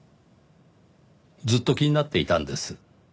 ずっと気になっていたんです。